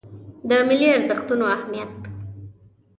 د ملي ارزښتونو اهمیت